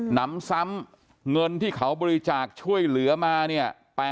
นำซ้ำเงินที่เขาบริจาคช่วยเหลือมาเนี่ย